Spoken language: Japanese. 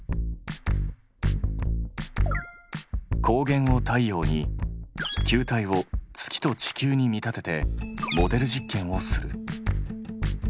光源を太陽に球体を月と地球に見立ててモデル実験をする。